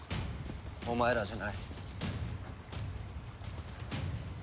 お前らじゃない。